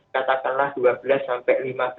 katakanlah dua belas sampai